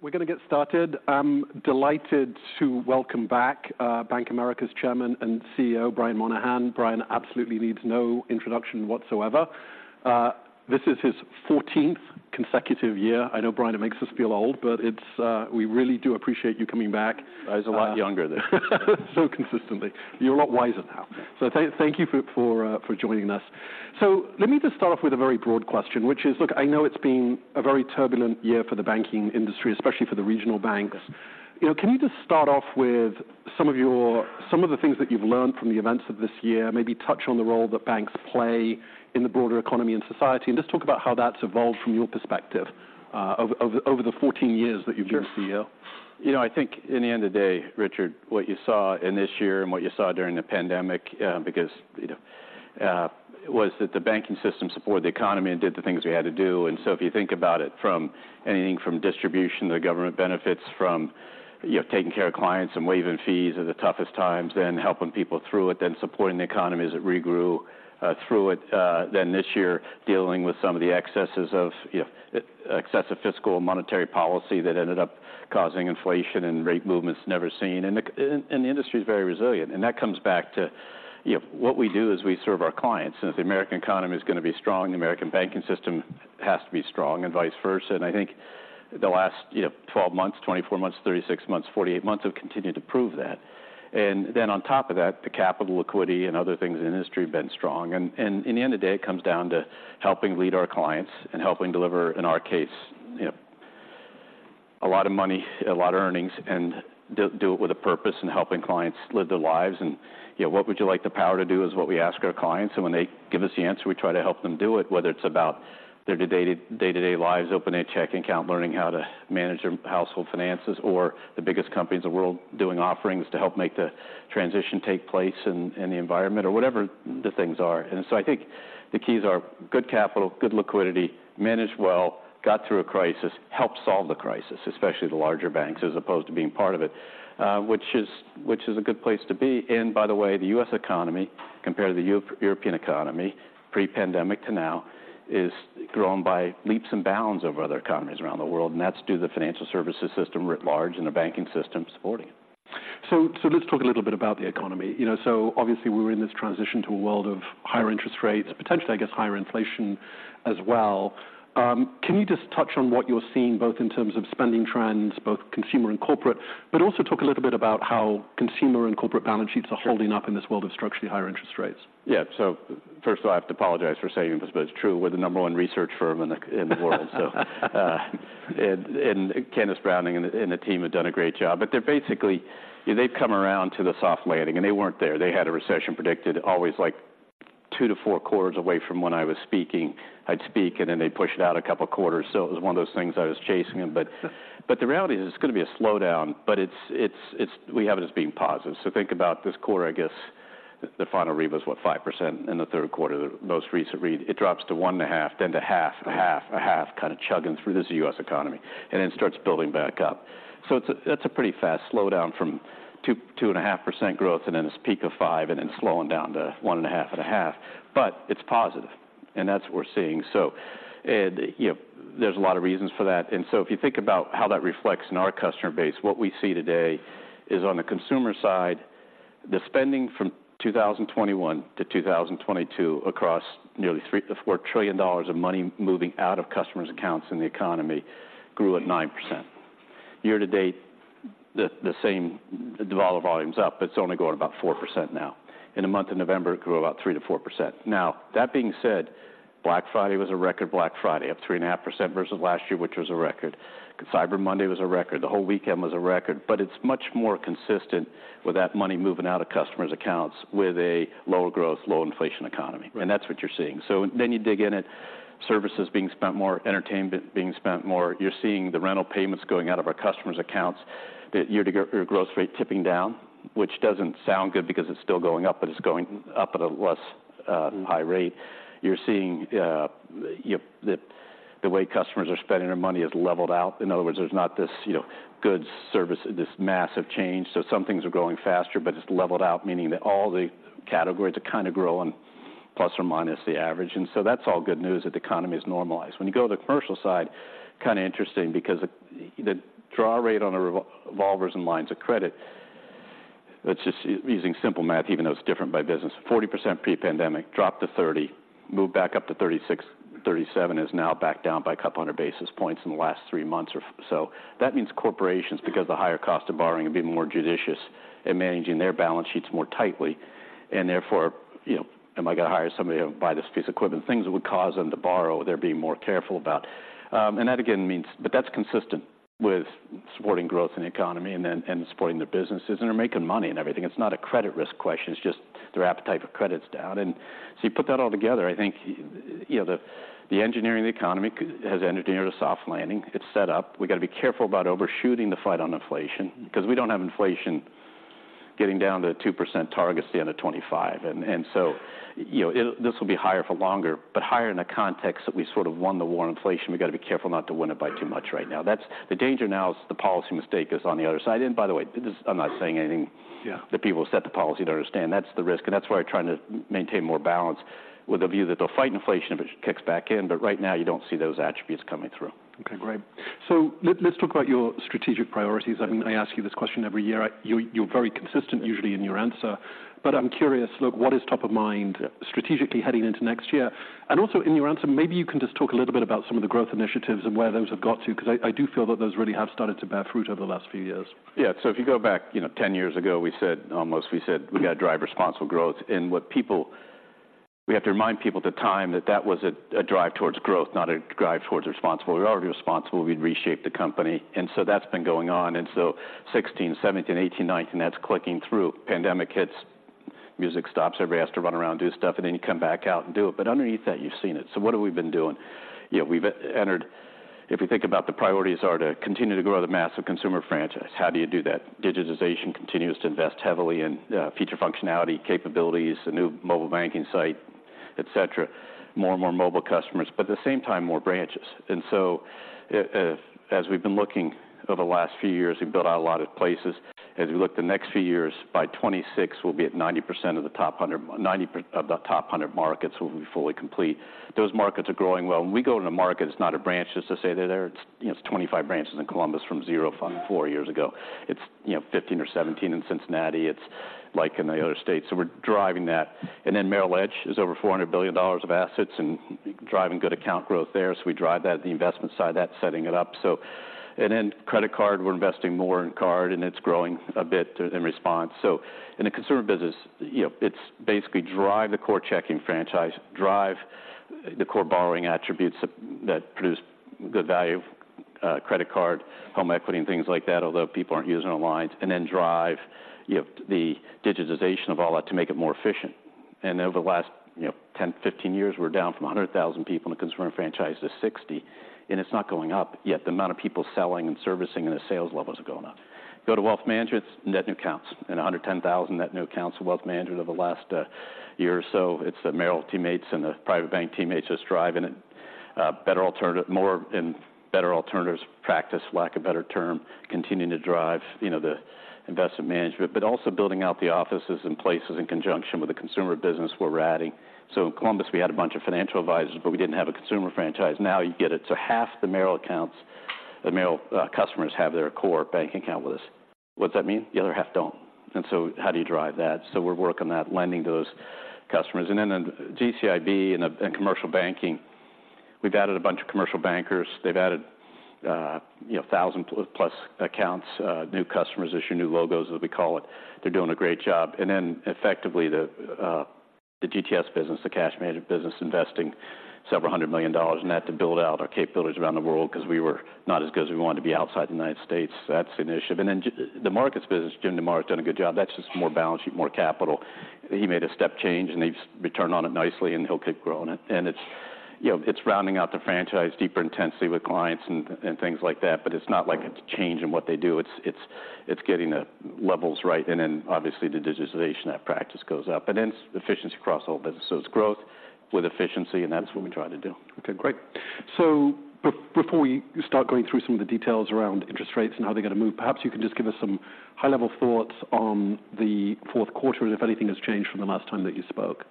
We're gonna get started. I'm delighted to welcome back Bank of America's Chairman and CEO, Brian Moynihan. Brian absolutely needs no introduction whatsoever. This is his fourteenth consecutive year. I know, Brian, it makes us feel old, but it's, we really do appreciate you coming back. I was a lot younger then. So consistently. You're a lot wiser now. Yes. Thank you for joining us. So let me just start off with a very broad question, which is, look, I know it's been a very turbulent year for the banking industry, especially for the regional banks. Yes. You know, can you just start off with some of the things that you've learned from the events of this year, maybe touch on the role that banks play in the broader economy and society, and just talk about how that's evolved from your perspective, over the 14 years that you've been CEO? Sure. You know, I think in the end of the day, Richard, what you saw in this year and what you saw during the pandemic, because, you know, was that the banking system supported the economy and did the things we had to do. And so if you think about it from anything from distribution to government benefits, from, you know, taking care of clients and waiving fees at the toughest times, and helping people through it, then supporting the economy as it regrew, through it. Then this year, dealing with some of the excesses of, you know, excessive fiscal and monetary policy that ended up causing inflation and rate movements never seen. And the industry is very resilient, and that comes back to, you know, what we do is we serve our clients. Since the American economy is going to be strong, the American banking system has to be strong, and vice versa. I think the last, you know, 12 months, 24 months, 36 months, 48 months have continued to prove that. Then on top of that, the capital, liquidity, and other things in the industry have been strong. And at the end of the day, it comes down to helping lead our clients and helping deliver, in our case, you know, a lot of money, a lot of earnings, and do it with a purpose in helping clients live their lives. And, you know, what would you like the power to do, is what we ask our clients. And when they give us the answer, we try to help them do it, whether it's about their day-to-day, day-to-day lives, opening a checking account, learning how to manage their household finances, or the biggest companies in the world doing offerings to help make the transition take place in, in the environment or whatever the things are. And so I think the keys are good capital, good liquidity, managed well, got through a crisis, helped solve the crisis, especially the larger banks, as opposed to being part of it, which is, which is a good place to be. And by the way, the U.S. economy, compared to the European economy, pre-pandemic to now, is grown by leaps and bounds over other economies around the world, and that's due to the financial services system writ large and the banking system supporting it. So, let's talk a little bit about the economy. You know, so obviously, we're in this transition to a world of higher interest rates, potentially, I guess, higher inflation as well. Can you just touch on what you're seeing, both in terms of spending trends, both consumer and corporate, but also talk a little bit about how consumer and corporate balance sheets are holding up in this world of structurally higher interest rates? Yeah. So first of all, I have to apologize for saying this, but it's true. We're the number one research firm in the, in the world. So, and, and Candace Browning and the, and the team have done a great job. But they're basically... They've come around to the soft landing, and they weren't there. They had a recession predicted, always like 2-4 quarters away from when I was speaking. I'd speak, and then they'd push it out a couple of quarters. So it was one of those things I was chasing them. But, but the reality is, it's going to be a slowdown, but it's, it's, it's—we have it as being positive. So think about this quarter, I guess, the final read was, what, 5% in the third quarter, the most recent read. It drops to 1.5, then to 0.5, 0.5, 0.5, kind of chugging through this US economy, and then starts building back up. So it's a, it's a pretty fast slowdown from 2, 2.5% growth, and then this peak of 5, and then slowing down to 1.5 and 0.5. But it's positive, and that's what we're seeing. So and, you know, there's a lot of reasons for that. And so if you think about how that reflects in our customer base, what we see today is on the consumer side, the spending from 2021 to 2022 across nearly $3 trillion-$4 trillion of money moving out of customers' accounts in the economy grew at 9%. Year-to-date, the same dollar volume's up, it's only growing about 4% now. In the month of November, it grew about 3%-4%. Now, that being said, Black Friday was a record Black Friday, up 3.5% versus last year, which was a record. Cyber Monday was a record. The whole weekend was a record. But it's much more consistent with that money moving out of customers' accounts with a lower growth, low inflation economy. Right. That's what you're seeing. Then you dig in at services being spent more, entertainment being spent more. You're seeing the rental payments going out of our customers' accounts, the year-to-year growth rate tipping down, which doesn't sound good because it's still going up, but it's going up at a less, Mm-hmm... high rate. You're seeing, you know, the way customers are spending their money has leveled out. In other words, there's not this, you know, goods, service, this massive change. So some things are growing faster, but it's leveled out, meaning that all the categories are kind of growing plus or minus the average. And so that's all good news that the economy is normalized. When you go to the commercial side, kind of interesting because the draw rate on the revolvers and lines of credit, let's just using simple math, even though it's different by business, 40% pre-pandemic, dropped to 30, moved back up to 36-37, is now back down by a couple hundred basis points in the last three months or so. That means corporations, because the higher cost of borrowing, are being more judicious in managing their balance sheets more tightly, and therefore, you know, am I going to hire somebody or buy this piece of equipment? Things that would cause them to borrow, they're being more careful about. And that again means... But that's consistent with supporting growth in the economy and then, and supporting their businesses, and they're making money and everything. It's not a credit risk question, it's just their appetite for credit is down. And so you put that all together, I think, you know, the, the engineering of the economy has engineered a soft landing. It's set up. We've got to be careful about overshooting the fight on inflation because we don't have inflation-... getting down to 2% target at the end of 2025. So, you know, it'll—this will be higher for longer, but higher in the context that we sort of won the war on inflation. We've got to be careful not to win it by too much right now. That's the danger now: the policy mistake is on the other side. And by the way, this—I'm not saying anything- Yeah. that people who set the policy don't understand. That's the risk, and that's why we're trying to maintain more balance with the view that they'll fight inflation, if it kicks back in, but right now you don't see those attributes coming through. Okay, great. So let's talk about your strategic priorities. I ask you this question every year. You're very consistent, usually, in your answer, but I'm curious, look, what is top of mind strategically heading into next year? And also in your answer, maybe you can just talk a little bit about some of the growth initiatives and where those have got to, because I do feel that those really have started to bear fruit over the last few years. Yeah. So if you go back, you know, 10 years ago, we said almost—we said we got to drive responsible growth. And what people—We have to remind people at the time that that was a drive towards growth, not a drive towards responsible. We're already responsible. We'd reshaped the company, and so that's been going on. And so 2016, 2017, 2018, 2019, that's clicking through. Pandemic hits, music stops, everybody has to run around, do stuff, and then you come back out and do it. But underneath that, you've seen it. So what have we been doing? You know, we've entered. If you think about the priorities are to continue to grow the massive consumer franchise, how do you do that? Digitization continues to invest heavily in future functionality, capabilities, a new mobile banking site, et cetera. More and more mobile customers, but at the same time, more branches. So as we've been looking over the last few years, we've built out a lot of places. As we look to the next few years, by 2026, 90% of the top 100 markets will be fully complete. Those markets are growing well. When we go to a market, it's not a branch just to say they're there. It's, you know, 25 branches in Columbus from zero four years ago. It's, you know, 15 or 17 in Cincinnati. It's like in the other states. So we're driving that. And then Merrill Edge is over $400 billion of assets and driving good account growth there. So we drive that, the investment side, that's setting it up, so. And then credit card, we're investing more in card, and it's growing a bit in response. So in the consumer business, you know, it's basically drive the core checking franchise, drive the core borrowing attributes that, that produce good value, credit card, home equity, and things like that, although people aren't using our lines. And then drive, you know, the digitization of all that to make it more efficient. And over the last, you know, 10, 15 years, we're down from 100,000 people in the consumer franchise to 60, and it's not going up, yet the amount of people selling and servicing and the sales levels are going up. Go to Wealth Management, net new accounts, and 110,000 net new accounts of Wealth Management over the last, year or so. It's the Merrill teammates and the Private Bank teammates just driving it. Better alternative, more and better alternatives practice, lack of better term, continuing to drive, you know, the investment management, but also building out the offices and places in conjunction with the consumer business where we're adding. So in Columbus, we had a bunch of financial advisors, but we didn't have a consumer franchise. Now you get it. So half the Merrill accounts, the Merrill customers have their core banking account with us. What does that mean? The other half don't. And so how do you drive that? So we're working on that, lending to those customers. And then GCIB and commercial banking, we've added a bunch of commercial bankers. They've added, you know, 1,000+ accounts, new customers, issue new logos, as we call it. They're doing a great job. And then effectively, the GTS business, the cash management business, investing several hundred million dollars in that to build out our capabilities around the world because we were not as good as we wanted to be outside the United States. That's an initiative. And then the markets business, Jim DeMare has done a good job. That's just more balance sheet, more capital. He made a step change, and they've returned on it nicely, and he'll keep growing it. And it's, you know, it's rounding out the franchise, deeper intensity with clients and things like that, but it's not like it's a change in what they do. It's getting the levels right. And then, obviously, the digitization, that practice goes up. And then efficiency across all businesses. So it's growth with efficiency, and that's what we try to do. Okay, great. So before you start going through some of the details around interest rates and how they're going to move, perhaps you can just give us some high-level thoughts on the fourth quarter and if anything has changed from the last time that you spoke.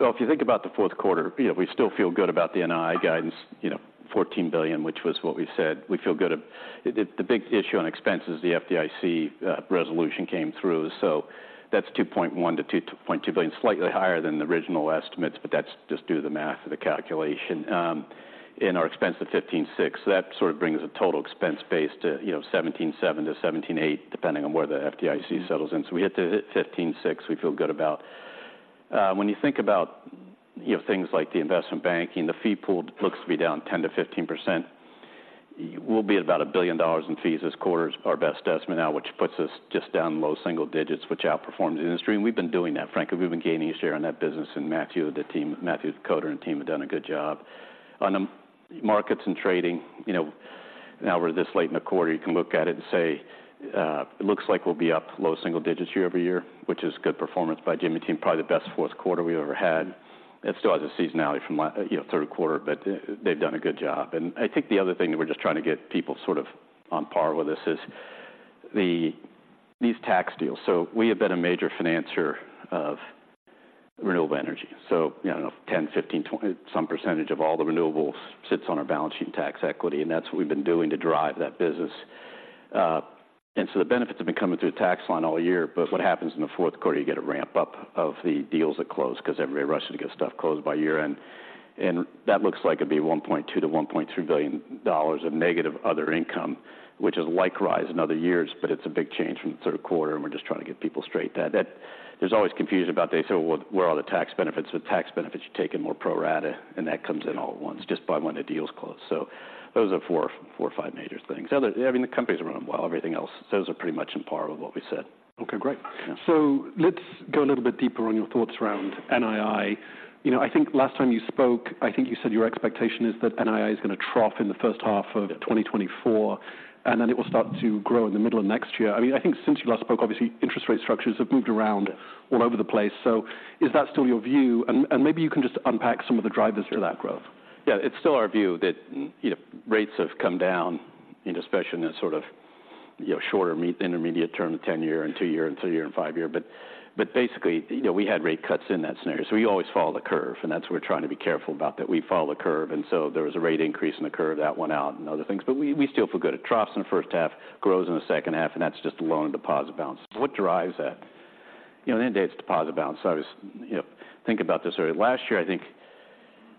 Well, if you think about the fourth quarter, you know, we still feel good about the NII guidance, you know, $14 billion, which was what we said. We feel good about the big issue on expenses, the FDIC resolution came through, so that's $2.1 billion-$2.2 billion. Slightly higher than the original estimates, but that's just due to the math of the calculation. In our expense to $15.6 billion, that sort of brings the total expense base to, you know, $17.7 billion-$17.8 billion, depending on where the FDIC settles in. So we hit the $15.6 billion, we feel good about. When you think about, you know, things like the investment banking, the fee pool looks to be down 10%-15%. We'll be at about $1 billion in fees this quarter, is our best estimate now, which puts us just down low single digits, which outperforms the industry, and we've been doing that, frankly. We've been gaining share on that business, and Matthew, the team, Matthew Koder and team have done a good job. On the markets and trading, you know, now we're this late in the quarter, you can look at it and say, it looks like we'll be up low single digits year over year, which is good performance by Jim's team, probably the best fourth quarter we've ever had. It still has a seasonality from you know, third quarter, but they've done a good job. And I think the other thing that we're just trying to get people sort of on par with this is the, these tax deals. So we have been a major financer of renewable energy. So, you know, 10, 15, 20, some percentage of all the renewables sits on our balance sheet tax equity, and that's what we've been doing to drive that business. And so the benefits have been coming through the tax line all year, but what happens in the fourth quarter, you get a ramp-up of the deals that close because everybody rushes to get stuff closed by year-end. And that looks like it'd be $1.2 billion-$1.3 billion of negative other income, which is likewise in other years, but it's a big change from the third quarter, and we're just trying to get people straight. That, that. There's always confusion about that. So where are the tax benefits? The tax benefits, you take in more pro rata, and that comes in all at once, just by when the deals close. So those are four, four or five major things. Other, I mean, the company's running well, everything else. Those are pretty much on par with what we said. Okay, great. Yeah. So let's go a little bit deeper on your thoughts around NII. You know, I think last time you spoke, I think you said your expectation is that NII is going to trough in the first half of 2024, and then it will start to grow in the middle of next year. I mean, I think since you last spoke, obviously, interest rate structures have moved around all over the place. So is that still your view? And maybe you can just unpack some of the drivers for that growth. Yeah, it's still our view that, you know, rates have come down, you know, especially in the shorter- to intermediate term, the 10-year and 2-year and 3-year and 5-year. But basically, you know, we had rate cuts in that scenario. So we always follow the curve, and that's what we're trying to be careful about, that we follow the curve. And so there was a rate increase in the curve that went out and other things. But we still feel good. It troughs in the first half, grows in the second half, and that's just the loan and deposit balance. What drives that? You know, at the end of the day, it's deposit balance. So you know, think about this early. Last year, I think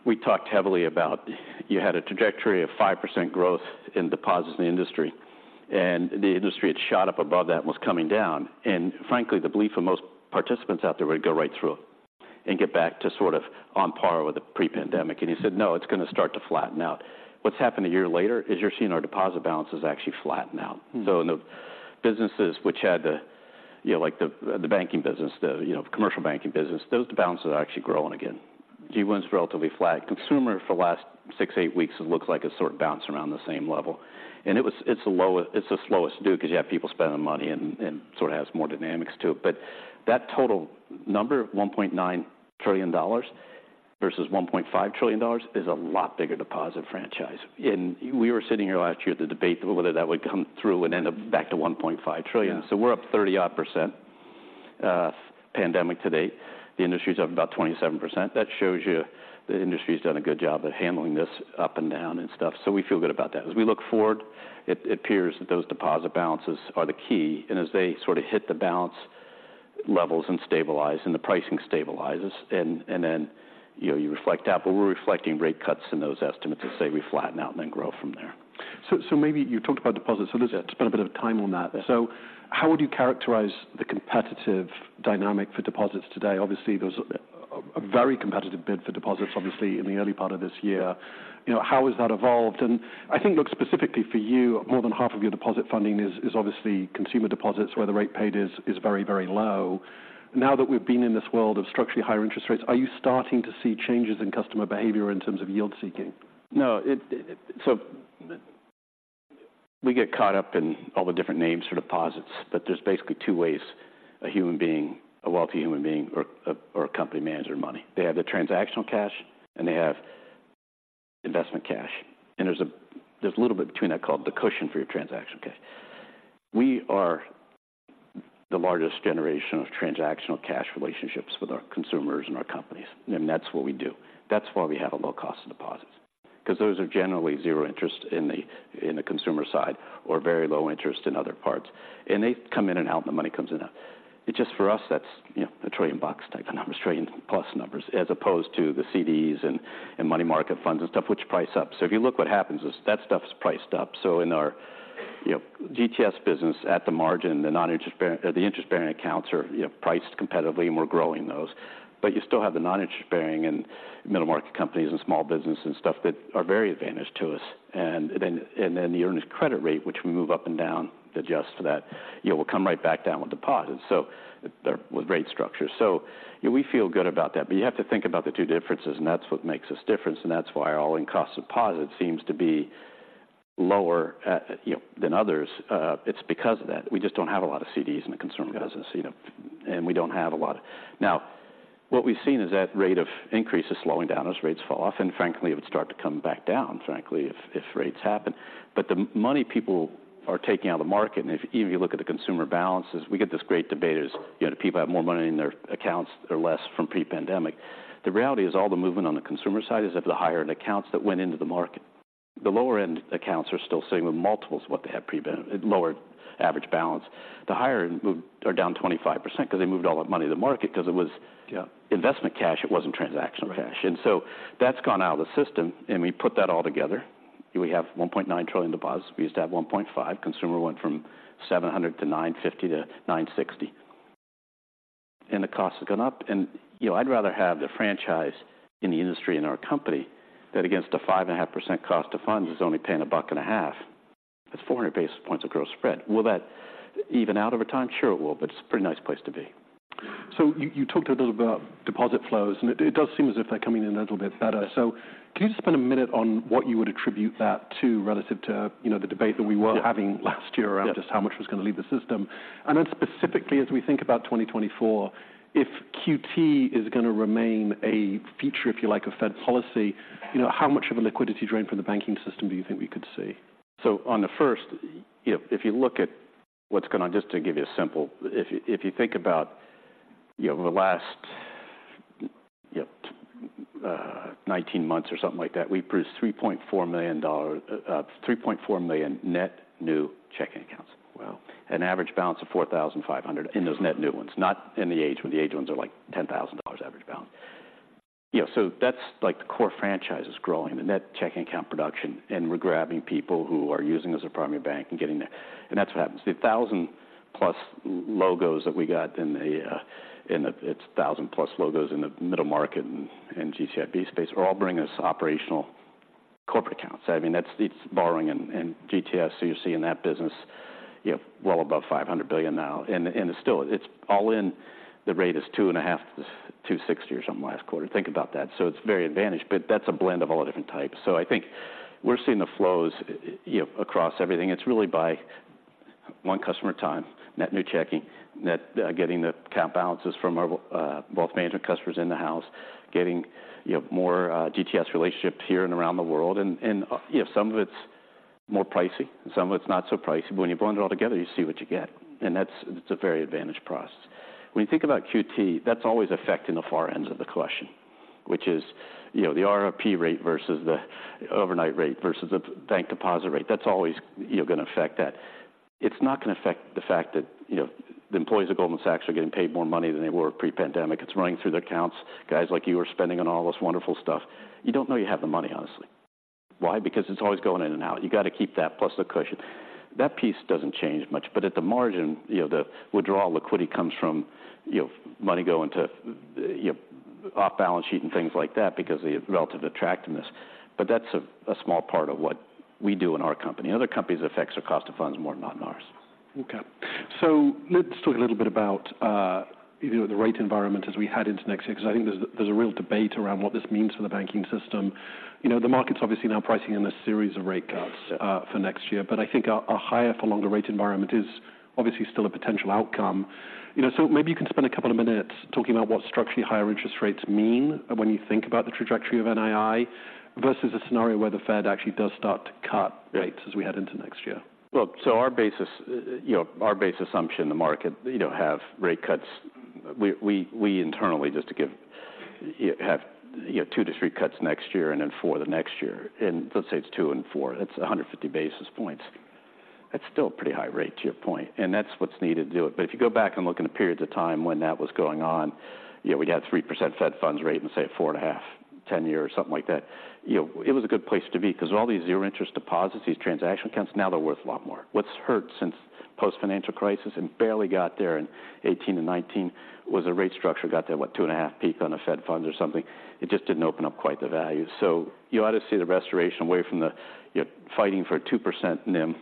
we talked heavily about you had a trajectory of 5% growth in deposits in the industry, and the industry had shot up above that and was coming down. And frankly, the belief of most participants out there would go right through it and get back to sort of on par with the pre-pandemic. And you said, "No, it's going to start to flatten out." What's happened a year later is you're seeing our deposit balances actually flatten out. Mm-hmm. So in the businesses which had the, you know, like the, the banking business, the, you know, commercial banking business, those balances are actually growing again. GWIM's relatively flat. Consumer, for the last six, eight weeks, it looks like it's sort of bounced around the same level. And it was-- it's the low-- it's the slowest to do because you have people spending money and, and sort of has more dynamics to it. But that total number, $1.9 trillion versus $1.5 trillion, is a lot bigger deposit franchise. And we were sitting here last year, the debate whether that would come through and end up back to $1.5 trillion. Yeah. So we're up 30-odd%, pandemic to date. The industry's up about 27%. That shows you the industry's done a good job at handling this up and down and stuff, so we feel good about that. As we look forward, it, it appears that those deposit balances are the key, and as they sort of hit the balance levels and stabilize, and the pricing stabilizes, and, and then, you know, you reflect that. But we're reflecting rate cuts in those estimates to say we flatten out and then grow from there. So, maybe you talked about deposits, so let's spend a bit of time on that. Yeah. So how would you characterize the competitive dynamic for deposits today? Obviously, there was a very competitive bid for deposits, obviously, in the early part of this year. You know, how has that evolved? And I think, look, specifically for you, more than half of your deposit funding is obviously consumer deposits, where the rate paid is very, very low. Now that we've been in this world of structurally higher interest rates, are you starting to see changes in customer behavior in terms of yield seeking? No. So we get caught up in all the different names for deposits, but there's basically two ways a human being, a wealthy human being or a company manages their money. They have the transactional cash, and they have investment cash, and there's a little bit between that called the cushion for your transaction cash. We are the largest generation of transactional cash relationships with our consumers and our companies, and that's what we do. That's why we have a low cost of deposits, because those are generally zero interest in the consumer side or very low interest in other parts. And they come in and out, and the money comes in and out. It's just for us, that's, you know, $1 trillion type of numbers, $1 trillion-plus numbers, as opposed to the CDs and, and money market funds and stuff, which price up. So if you look what happens is that stuff's priced up. So in our, you know, GTS business at the margin, the non-interest bearing... The interest-bearing accounts are, you know, priced competitively, and we're growing those. But you still have the non-interest bearing and middle-market companies and small business and stuff that are very advantage to us. And then, and then the earned credit rate, which we move up and down to adjust to that, you know, will come right back down with deposits, so there with rate structure. So we feel good about that, but you have to think about the two differences, and that's what makes us different. That's why our all-in cost of deposits seems to be lower, you know, than others. It's because of that. We just don't have a lot of CDs in the consumer business- Yeah You know, and we don't have a lot. Now, what we've seen is that rate of increase is slowing down as rates fall off, and frankly, it would start to come back down, frankly, if rates happen. But the money people are taking out of the market, and even if you look at the consumer balances, we get this great debate is, you know, do people have more money in their accounts or less from pre-pandemic? The reality is all the movement on the consumer side is of the higher-end accounts that went into the market. The lower-end accounts are still sitting with multiples of what they had pre-pandemic, lower average balance. The higher-end are down 25% because they moved all that money to the market because it was- Yeah ... investment cash, it wasn't transactional cash. Right. And so that's gone out of the system, and we put that all together. We have $1.9 trillion deposits. We used to have $1.5 trillion. Consumer went from $700 billion to $950 billion to $960 billion, and the costs have gone up. And, you know, I'd rather have the franchise in the industry and our company that against the 5.5% cost of funds, is only paying 1.5%. That's 400 basis points of gross spread. Will that even out over time? Sure, it will, but it's a pretty nice place to be. So you talked a little about deposit flows, and it does seem as if they're coming in a little bit better. Yeah. So can you just spend a minute on what you would attribute that to, relative to, you know, the debate that we were? Yeah having last year Yeah Around just how much was going to leave the system? And then specifically, as we think about 2024, if QT is going to remain a feature, if you like, of Fed policy, you know, how much of a liquidity drain from the banking system do you think we could see? On the first, you know, if you look at what's going on, just to give you a simple... If you think about, you know, the last, yep, 19 months or something like that, we produced 3.4 million net new checking accounts. Wow. An average balance of $4,500 in those net new ones, not in the age, where the age ones are, like, $10,000 average balance. You know, so that's like the core franchise is growing, the net checking account production, and we're grabbing people who are using us as a primary bank and getting there. And that's what happens. The 1,000+ logos that we got in the, in the... It's 1,000+ logos in the middle market and, and GCIB space are all bringing us operational corporate accounts. I mean, that's it's borrowing and, and GTS, so you're seeing that business, you know, well above $500 billion now. And, and it's still, it's all in the rate is 2.5-6 or something last quarter. Think about that. So it's very advantaged, but that's a blend of all the different types. So I think we're seeing the flows, you know, across everything. It's really by one customer at a time, net new checking, net getting the account balances from our wealth management customers in the house, getting, you know, more GTS relationships here and around the world. And, you know, some of it's more pricey, and some of it's not so pricey. But when you blend it all together, you see what you get, and that's, it's a very advantaged price. When you think about QT, that's always affecting the far ends of the collection, which is, you know, the RRP rate versus the overnight rate versus the bank deposit rate. That's always, you know, gonna affect that. It's not gonna affect the fact that, you know, the employees at Goldman Sachs are getting paid more money than they were pre-pandemic. It's running through their accounts. Guys like you are spending on all this wonderful stuff. You don't know you have the money, honestly. Why? Because it's always going in and out. You got to keep that plus the cushion. That piece doesn't change much, but at the margin, you know, the withdrawal liquidity comes from, you know, money going to, you know, off-balance sheet and things like that because of the relative attractiveness. But that's a small part of what we do in our company. Other companies, it affects their cost of funds more than not in ours. Okay. So let's talk a little bit about, you know, the rate environment as we head into next year, because I think there's a real debate around what this means for the banking system. You know, the market's obviously now pricing in a series of rate cuts for next year, but I think a higher for longer rate environment is obviously still a potential outcome. You know, so maybe you can spend a couple of minutes talking about what structurally higher interest rates mean when you think about the trajectory of NII versus a scenario where the Fed actually does start to cut- Right. rates as we head into next year. Well, so our basis, you know, our base assumption, the market, you know, have rate cuts. We internally, just to give you, you know, two to three cuts next year and then four the next year. And let's say it's two and four, that's 150 basis points. That's still a pretty high rate, to your point, and that's what's needed to do it. But if you go back and look in the periods of time when that was going on, you know, we had 3% Fed funds rate and say, 4.5, 10-year or something like that. You know, it was a good place to be because all these zero interest deposits, these transaction accounts, now they're worth a lot more. What's hurt since post-financial crisis and barely got there in 2018 and 2019, was a rate structure, got that, what, 2.5 peak on a Fed fund or something. It just didn't open up quite the value. So you ought to see the restoration away from the, you know, fighting for a 2% NIM to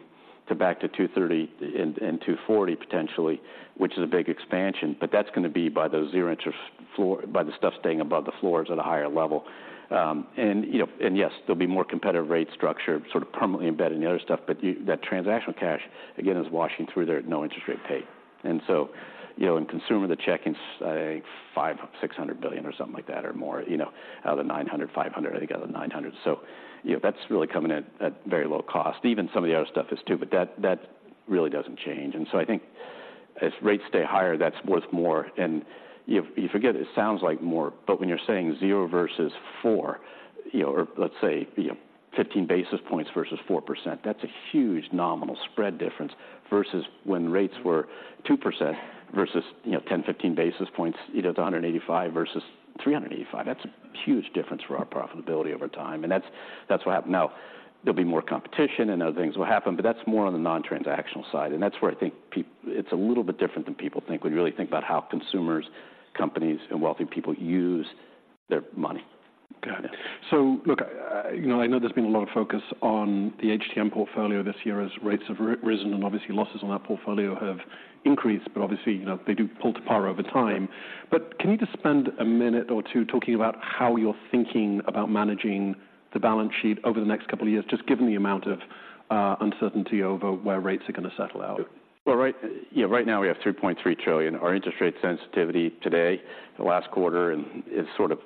back to 2.30% and 2.40%, potentially, which is a big expansion, but that's gonna be by the zero interest floor by the stuff staying above the floors at a higher level. And, you know, and yes, there'll be more competitive rate structure sort of permanently embedded in the other stuff, but you, that transactional cash, again, is washing through there at no interest rate paid. And so, you know, in consumer, the checking, say, $500-$600 billion or something like that, or more, you know, out of the $900 billion, $500 billion, I think, out of the $900 billion. So, you know, that's really coming at, at very low cost. Even some of the other stuff is too, but that, that really doesn't change. And so I think as rates stay higher, that's worth more. And you, you forget, it sounds like more, but when you're saying 0% versus 4%, you know, or let's say, you know, 15 basis points versus 4%, that's a huge nominal spread difference versus when rates were 2% versus, you know, 10-15 basis points. You know, it's 185 versus 385. That's a huge difference for our profitability over time, and that's, that's what happened. Now, there'll be more competition and other things will happen, but that's more on the non-transactional side, and that's where I think people—it's a little bit different than people think. We really think about how consumers, companies, and wealthy people use their money. Got it. So look, you know, I know there's been a lot of focus on the HTM portfolio this year as rates have risen, and obviously losses on that portfolio have increased, but obviously, you know, they do pull to par over time. But can you just spend a minute or two talking about how you're thinking about managing the balance sheet over the next couple of years, just given the amount of uncertainty over where rates are gonna settle out? Well, right, you know, right now we have $3.3 trillion. Our interest rate sensitivity today, the last quarter, and it's sort of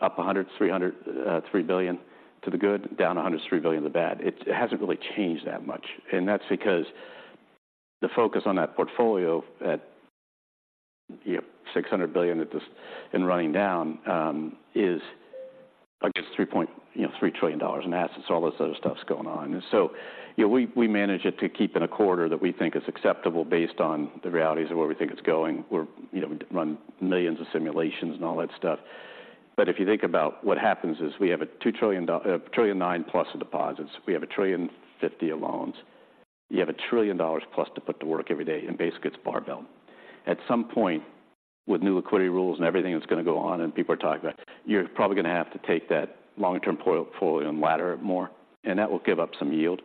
up $103 billion to the good, down $103 billion to the bad. It, it hasn't really changed that much, and that's because the focus on that portfolio at, you know, $600 billion at this in running down is against $3.3 trillion in assets, all this other stuff's going on. And so, you know, we, we manage it to keep in a quarter that we think is acceptable based on the realities of where we think it's going. We're you know, we run millions of simulations and all that stuff. But if you think about what happens is we have a $1.9+ trillion of deposits. We have $1.05 trillion of loans. You have $1 trillion plus to put to work every day, and basically, it's barbell. At some point, with new liquidity rules and everything that's gonna go on, and people are talking about, you're probably gonna have to take that long-term portfolio and ladder it more, and that will give up some yield.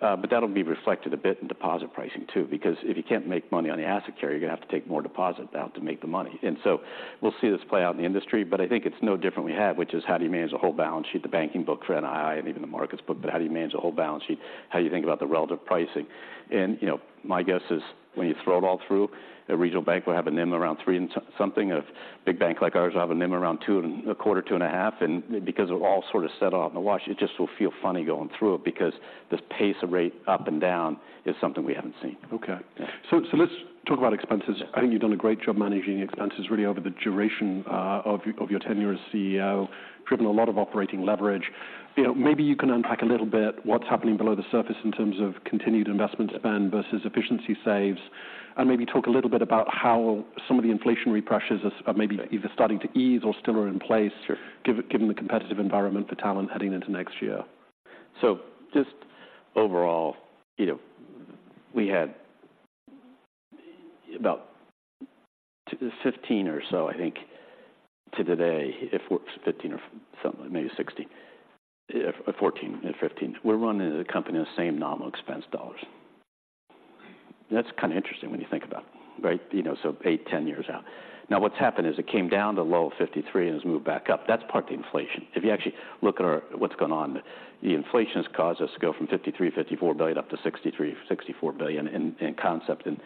But that'll be reflected a bit in deposit pricing too, because if you can't make money on the asset carry, you're gonna have to take more deposit down to make the money. And so we'll see this play out in the industry, but I think it's no different than we had, which is how do you manage a whole balance sheet, the banking book for NII and even the markets book, but how do you manage a whole balance sheet? How do you think about the relative pricing? And, you know, my guess is when you throw it all through, a regional bank will have a NIM around 3 and something. A big bank like ours will have a NIM around 2.25-2.5. And because we're all sort of set off in the wash, it just will feel funny going through it because this pace of rate up and down is something we haven't seen. Okay. Yeah. So, let's talk about expenses. Yeah. I think you've done a great job managing expenses really over the duration of your tenure as CEO, driven a lot of operating leverage. Yeah. You know, maybe you can unpack a little bit what's happening below the surface in terms of continued investment spend versus efficiency saves, and maybe talk a little bit about how some of the inflationary pressures are maybe either starting to ease or still are in place. Sure... given the competitive environment for talent heading into next year. So just overall, you know, we had about 2 to 15 or so, I think, to today, if we're 15 or something, maybe 16, 14, 15. We're running the company in the same nominal expense dollars. That's kind of interesting when you think about it, right? You know, so 8, 10 years out. Now, what's happened is it came down to low of 53 and has moved back up. That's part of the inflation. If you actually look at what's going on, the inflation has caused us to go from $53 billion-$54 billion up to $63 billion-$64 billion in concept and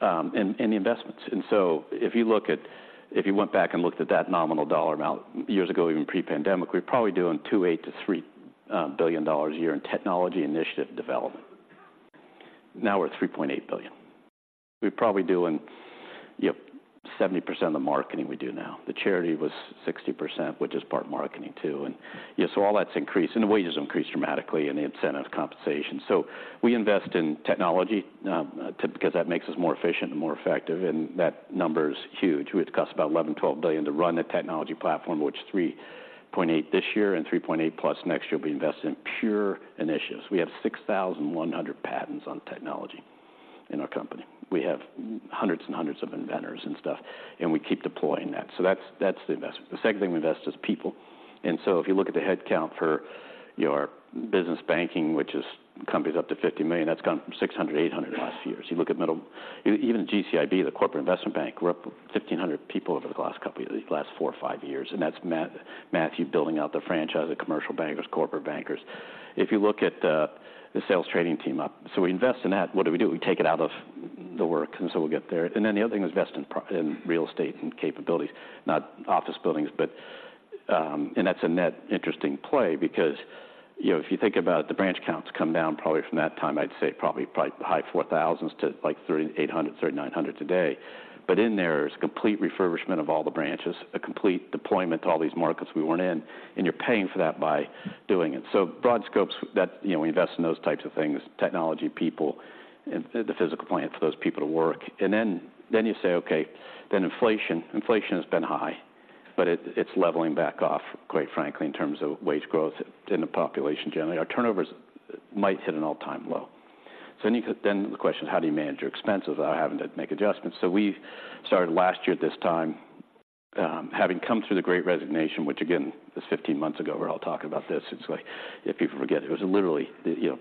the investments. And so if you look at if you went back and looked at that nominal dollar amount years ago, even pre-pandemic, we're probably doing $2.8 billion-$3 billion a year in technology initiative development. Now we're at $3.8 billion. We're probably doing, you know, 70% of the marketing we do now. The charity was 60%, which is part of marketing too. And yes, so all that's increased, and the wages increased dramatically and the incentive compensation. So we invest in technology, because that makes us more efficient and more effective, and that number is huge. It costs about $11-$12 billion to run the technology platform, which $3.8 this year and $3.8 plus next year will be invested in pure initiatives. We have 6,100 patents on technology in our company. We have hundreds and hundreds of inventors and stuff, and we keep deploying that. So that's, that's the investment. The second thing we invest is people. And so if you look at the headcount for your business banking, which is companies up to $50 million, that's gone from 600-800 in the last few years. You look at middle—Even GCIB, the corporate investment bank, we're up 1,500 people over the last couple of years, last four or five years, and that's Matthew building out the franchise of commercial bankers, corporate bankers. If you look at the sales trading team up. So we invest in that. What do we do? We take it out of the work, and so we'll get there. And then the other thing, invest in real estate and capabilities, not office buildings, but... That's a net interesting play because, you know, if you think about it, the branch counts come down probably from that time, I'd say probably high 4,000s to, like, 3,800, 3,900 today. But in there is complete refurbishment of all the branches, a complete deployment to all these markets we weren't in, and you're paying for that by doing it. So broad scopes that, you know, we invest in those types of things, technology, people, and the physical plant for those people to work. Then you say, okay, then inflation. Inflation has been high, but it's leveling back off, quite frankly, in terms of wage growth in the population generally. Our turnovers might hit an all-time low. So then the question is, how do you manage your expenses without having to make adjustments? So we started last year this time, having come through the great resignation, which again, was 15 months ago. We're all talking about this. It's like if people forget, it was literally, you know,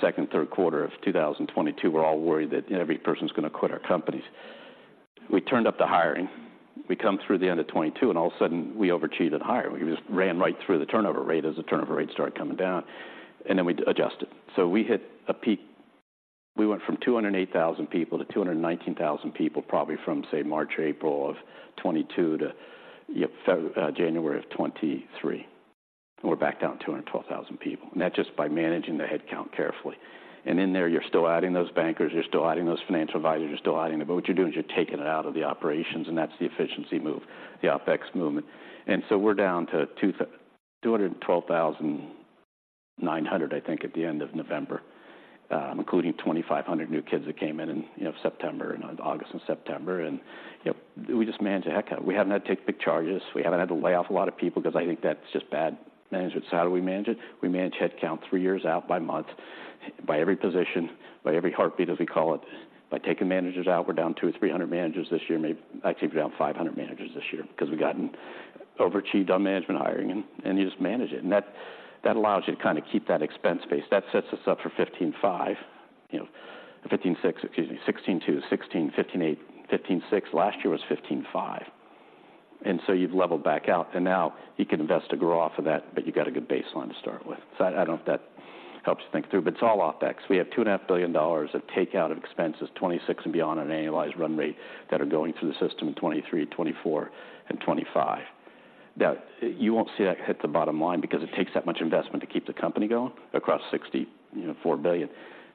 second, third quarter of 2022. We're all worried that every person's going to quit our companies. We turned up the hiring. We come through the end of 2022, and all of a sudden, we overachieved at hiring. We just ran right through the turnover rate as the turnover rate started coming down, and then we adjusted. So we hit a peak. We went from 208,000 people to 219,000 people, probably from, say, March or April of 2022 to, yep, February, January of 2023. We're back down to 212,000 people, and that just by managing the headcount carefully. In there, you're still adding those bankers, you're still adding those financial advisors, you're still adding them. But what you're doing is you're taking it out of the operations, and that's the efficiency move, the OpEx movement. And so we're down to 212,900, I think, at the end of November, including 2,500 new kids that came in in, you know, September, and August and September. And, you know, we just managed a headcount. We haven't had to take big charges. We haven't had to lay off a lot of people because I think that's just bad management. So how do we manage it? We manage headcount three years out by month, by every position, by every heartbeat, as we call it. By taking managers out, we're down 200 or 300 managers this year. Maybe actually down 500 managers this year because we've gotten overachieved on management hiring, and you just manage it. And that allows you to kind of keep that expense base. That sets us up for 15.5, you know, 15.6, excuse me, 16.2, 16, 15.8, 15.6. Last year was 15.5. And so you've leveled back out, and now you can invest to grow off of that, but you've got a good baseline to start with. So I don't know if that helps you think through, but it's all OpEx. We have $2.5 billion of take out of expenses, 2026 and beyond an annualized run rate that are going through the system in 2023, 2024, and 2025. Now, you won't see that hit the bottom line because it takes that much investment to keep the company going across $64 billion.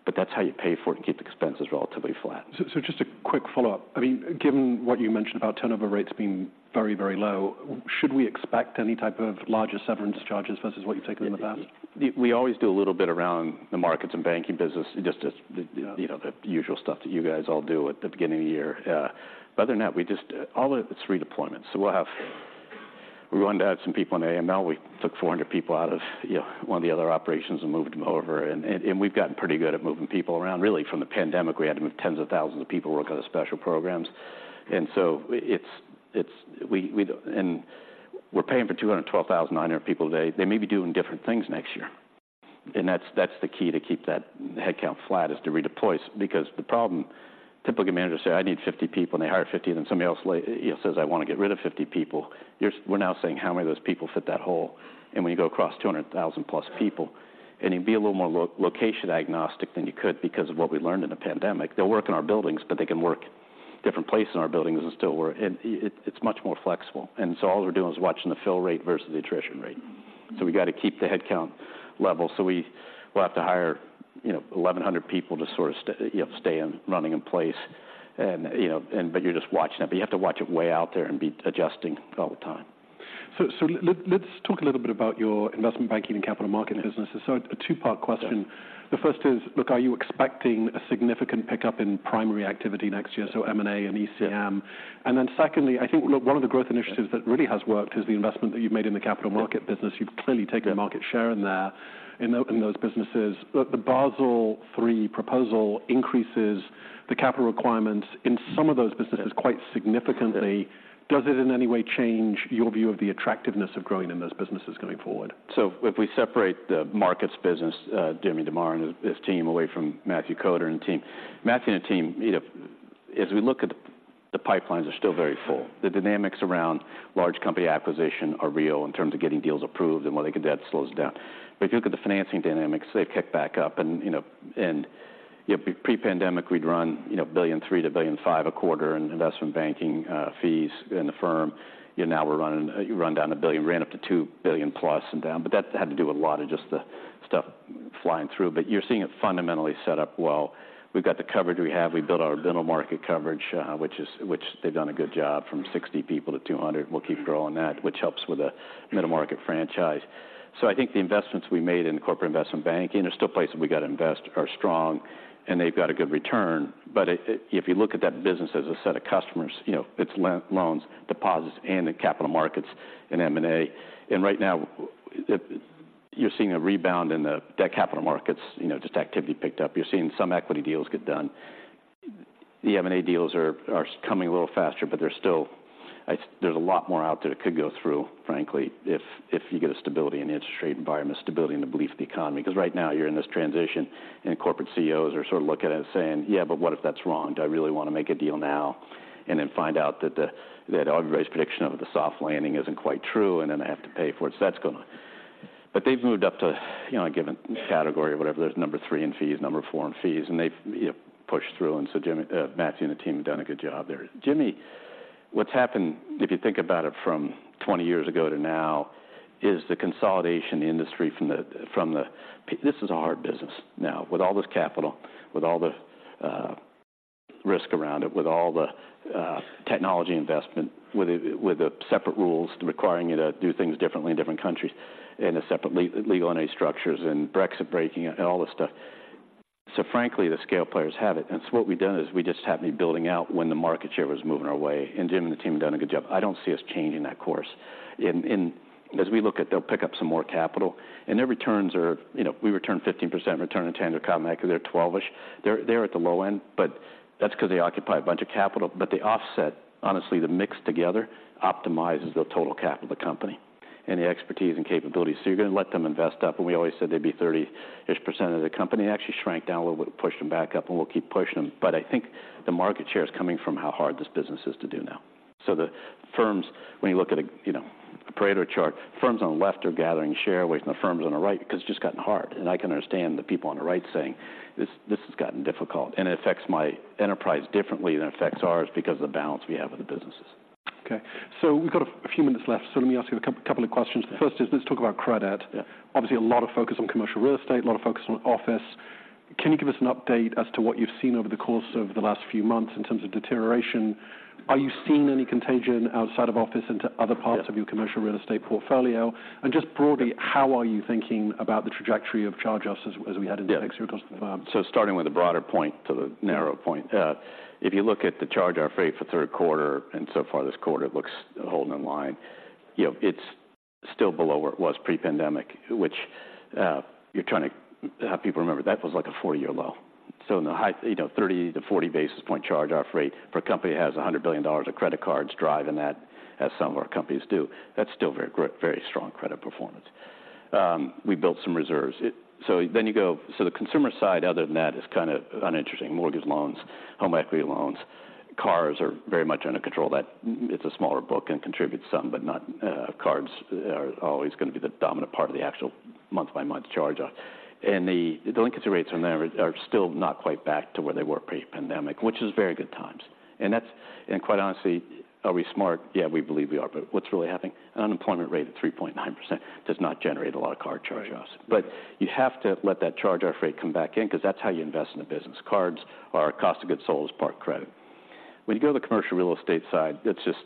But that's how you pay for it and keep the expenses relatively flat. So, so just a quick follow-up. I mean, given what you mentioned about turnover rates being very, very low, should we expect any type of larger severance charges versus what you've taken in the past? We always do a little bit around the markets and banking business, just as, you know, the usual stuff that you guys all do at the beginning of the year. But other than that, we just... All of it's redeployment. So we wanted to add some people in AML. We took 400 people out of, you know, one of the other operations and moved them over, and we've gotten pretty good at moving people around. Really, from the pandemic, we had to move tens of thousands of people working on the special programs. And so it's, we... And we're paying for 212,900 people today. They may be doing different things next year, and that's the key to keep that headcount flat, is to redeploy. Because the problem, typical managers say, "I need 50 people," and they hire 50, then somebody else says, "I want to get rid of 50 people." You're- we're now saying, how many of those people fit that hole? And when you go across 200,000 plus people, and you'd be a little more lo- location agnostic than you could because of what we learned in the pandemic. They'll work in our buildings, but they can work different places in our buildings and still work, and it, it's much more flexible. And so all we're doing is watching the fill rate versus the attrition rate. So we got to keep the headcount level. So we will have to hire, you know, 1,100 people to sort of st- you know, stay in, running in place and, you know, and but you're just watching it. But you have to watch it way out there and be adjusting all the time. So, let's talk a little bit about your investment banking and capital market businesses. So a two-part question. Yes. The first is, look, are you expecting a significant pickup in primary activity next year, so M&A and ECM? Yes. Then secondly, I think, look, one of the growth initiatives- Yes... that really has worked is the investment that you've made in the capital market business. Yes. You've clearly taken the market share in there, in, in those businesses. But the Basel III proposal increases the capital requirements in some of those businesses. Yes... quite significantly. Yes. Does it in any way change your view of the attractiveness of growing in those businesses going forward? So if we separate the markets business, Jim DeMare and his team away from Matthew Koder and team, Matthew and the team, you know, as we look at the pipelines are still very full. The dynamics around large company acquisition are real in terms of getting deals approved and while they can, debt slows down. But if you look at the financing dynamics, they've kicked back up and, you know, and, you know, pre-pandemic, we'd run, you know, $1.3 billion-$1.5 billion a quarter in investment banking fees in the firm. You know, now we're running you run down $1 billion, ran up to $2 billion+ and down, but that had to do with a lot of just the stuff flying through. But you're seeing it fundamentally set up well. We've got the coverage we have. We built our middle market coverage, which they've done a good job from 60 people to 200. We'll keep growing that, which helps with the middle market franchise. So I think the investments we made in corporate investment banking, there's still places we got to invest, are strong, and they've got a good return. But if you look at that business as a set of customers, you know, it's loans, deposits, and the capital markets and M&A. And right now, you're seeing a rebound in the debt capital markets, you know, just activity picked up. You're seeing some equity deals get done. The M&A deals are coming a little faster, but they're still... There's a lot more out there that could go through, frankly, if you get a stability in the interest rate environment, stability in the belief of the economy. Because right now you're in this transition, and corporate CEOs are sort of looking at it and saying: "Yeah, but what if that's wrong? Do I really want to make a deal now, and then find out that everybody's prediction of the soft landing isn't quite true, and then I have to pay for it?" So that's going on. But they've moved up to, you know, a given category or whatever. There's number 3 in fees, number 4 in fees, and they've, you know, pushed through. And so Jim, Matthew and the team have done a good job there. Jim, what's happened, if you think about it from 20 years ago to now, is the consolidation in the industry from the- This is a hard business now, with all this capital, with all the risk around it, with all the technology investment, with the separate rules requiring you to do things differently in different countries, and the separate legal and structures and Brexit breaking and all this stuff. So frankly, the scale players have it. And so what we've done is we just have been building out when the market share was moving our way, and Jim and the team have done a good job. I don't see us changing that course. In- As we look at, they'll pick up some more capital, and their returns are, you know, we return 15%, return in 10, they're coming back, they're 12-ish. They're at the low end, but that's because they occupy a bunch of capital. But the offset, honestly, the mix together, optimizes the total cap of the company and the expertise and capabilities. So you're going to let them invest up, and we always said they'd be 30-ish% of the company. Actually shrank down a little bit, pushed them back up, and we'll keep pushing them. But I think the market share is coming from how hard this business is to do now. So the firms, when you look at a, you know, a Pareto chart, firms on the left are gathering share away from the firms on the right because it's just gotten hard. I can understand the people on the right saying, "This, this has gotten difficult, and it affects my enterprise differently than it affects ours because of the balance we have with the businesses. Okay, so we've got a few minutes left, so let me ask you a couple of questions. The first is, let's talk about credit. Yeah. Obviously, a lot of focus on commercial real estate, a lot of focus on office. Can you give us an update as to what you've seen over the course of the last few months in terms of deterioration? Are you seeing any contagion outside of office into other parts- Yeah of your commercial real estate portfolio? And just broadly- Yeah How are you thinking about the trajectory of charge-offs as we head into next year across the firm? Starting with a broader point to the narrow point, if you look at the charge-off rate for third quarter, and so far this quarter, it looks holding in line. You know, it's still below where it was pre-pandemic, which you're trying to have people remember, that was like a four-year low. So in the high, you know, 30-40 basis point charge-off rate for a company that has $100 billion of credit cards driving that, as some of our companies do, that's still very strong credit performance. We built some reserves. So then you go, so the consumer side, other than that, is kind of uninteresting. Mortgage loans, home equity loans, cars are very much under control. That, it's a smaller book and contributes some, but not, cards are always going to be the dominant part of the actual month-by-month charge-off. And the delinquency rates on there are still not quite back to where they were pre-pandemic, which is very good times. And that's, and quite honestly, are we smart? Yeah, we believe we are. But what's really happening? An unemployment rate of 3.9% does not generate a lot of card charge-offs. But you have to let that charge-off rate come back in, because that's how you invest in the business. Cards are a cost of goods sold as part of credit. When you go to the commercial real estate side, it's just,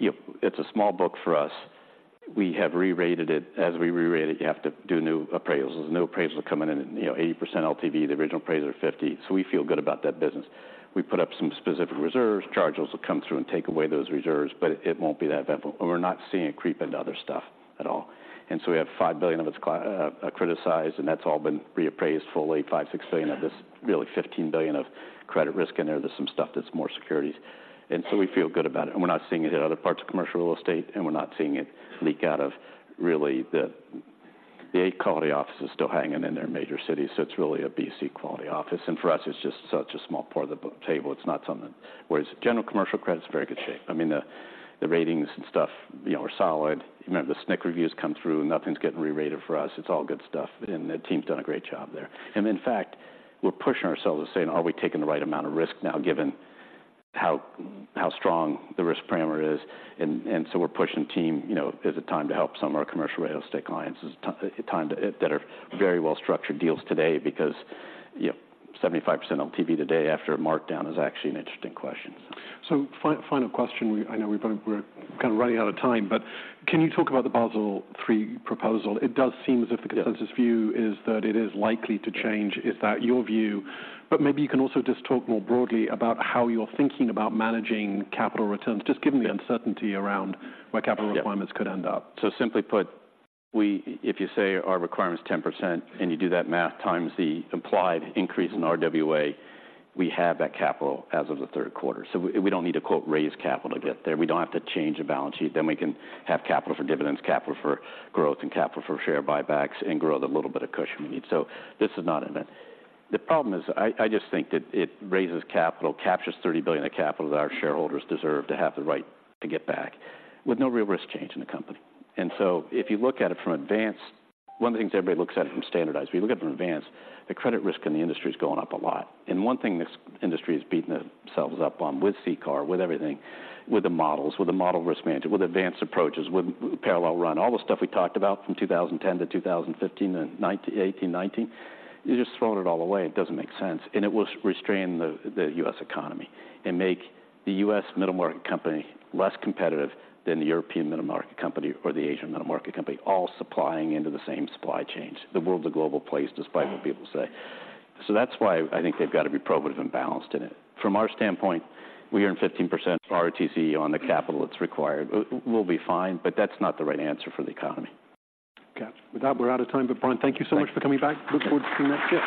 it's a small book for us. We have re-rated it. As we re-rate it, you have to do new appraisals. New appraisals are coming in at, you know, 80% LTV. The original appraisers are 50, so we feel good about that business. We put up some specific reserves. Charges will come through and take away those reserves, but it won't be that eventful, and we're not seeing it creep into other stuff at all. We have $5 billion of its credit size, and that's all been reappraised fully. $5 billion-$6 billion of this, really $15 billion of credit risk in there. There's some stuff that's more securities, and so we feel good about it. We're not seeing it in other parts of commercial real estate, and we're not seeing it leak out of really the, the A-quality offices still hanging in their major cities. So it's really a B, C quality office. For us, it's just such a small part of the book table. It's not something... Whereas general commercial credit is in very good shape. I mean, the ratings and stuff, you know, are solid. You know, the SNC reviews come through, nothing's getting re-rated for us. It's all good stuff, and the team's done a great job there. And in fact, we're pushing ourselves to say: Are we taking the right amount of risk now, given how strong the risk parameter is? And so we're pushing the team, you know, is it time to help some of our commercial real estate clients? Is it time to... That are very well-structured deals today because, you know, 75% LTV today after a markdown is actually an interesting question. So final question. I know we've gone, we're kind of running out of time, but can you talk about the Basel III proposal? It does seem as if the- Yeah Consensus view is that it is likely to change. Is that your view? But maybe you can also just talk more broadly about how you're thinking about managing capital returns, just given the uncertainty around where capital requirements- Yeah could end up. So simply put, we, if you say our requirement is 10%, and you do that math times the implied increase in RWA, we have that capital as of the third quarter. So we don't need to, quote, "raise capital" to get there. We don't have to change the balance sheet. Then we can have capital for dividends, capital for growth, and capital for share buybacks, and grow the little bit of cushion we need. So this is not it. The problem is, I, I just think that it raises capital, captures $30 billion of capital that our shareholders deserve to have the right to get back, with no real risk change in the company. And so if you look at it from Advanced, one of the things everybody looks at it from Standardized. If you look at it from Advanced, the credit risk in the industry is going up a lot. One thing this industry has beaten themselves up on with CCAR, with everything, with the models, with the model risk management, with Advanced approaches, with parallel run, all the stuff we talked about from 2010-2015-2018, 2019, you're just throwing it all away. It doesn't make sense, and it will restrain the U.S. economy and make the U.S. middle-market company less competitive than the European middle-market company or the Asian middle-market company, all supplying into the same supply chains. The world's a global place, despite what people say. So that's why I think they've got to be probative and balanced in it. From our standpoint, we earn 15% ROTCE on the capital that's required We'll be fine, but that's not the right answer for the economy. Okay. With that, we're out of time. But, Brian, thank you so much- Thank you... for coming back. Look forward to seeing you next year.